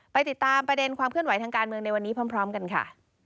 ติดตามประเด็นความเคลื่อนไหวทางการเมืองในวันนี้พร้อมกันค่ะ